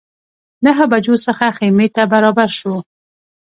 نهه بجو څخه خیمې ته برابر شوو.